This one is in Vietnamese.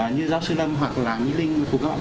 như giáo sư lâm hoặc là nhi linh